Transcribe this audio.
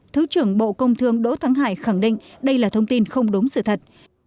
thứ trưởng bộ công thương đỗ thắng hải khẳng định đây là thông tin không đúng sự thật